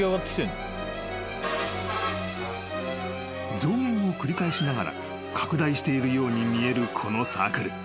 ［増減を繰り返しながら拡大しているように見えるこのサークル］